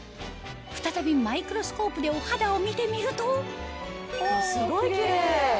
再びマイクロスコープでお肌を見てみるとすごいキレイ！